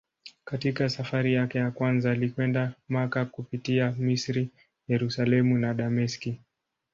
Katika safari yake ya kwanza alikwenda Makka kupitia Misri, Yerusalemu na Dameski.